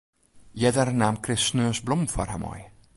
Earder naam Chris sneons blommen foar har mei.